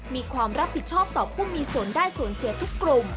มีความรับผิดชอบต่อผู้มีส่วนได้ส่วนเสียทุกกลุ่ม